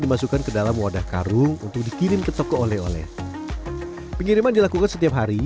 dimasukkan ke dalam wadah karung untuk dikirim ke toko oleh oleh pengiriman dilakukan setiap hari